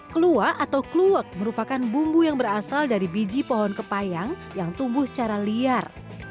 kluwa atau kluwak merupakan bumbu yang berasal dari biji pohon kepayang yang tumbuh secara liar